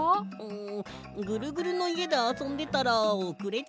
んぐるぐるのいえであそんでたらおくれちゃった。